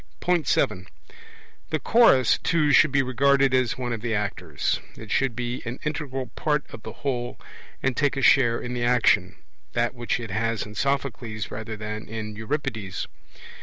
(7) The Chorus too should be regarded as one of the actors; it should be an integral part of the whole, and take a share in the action that which it has in Sophocles rather than in Euripides.